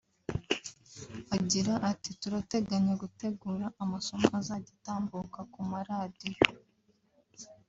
Agira ati “ Turateganya gutegura amasomo azajya atambuka ku ma radiyo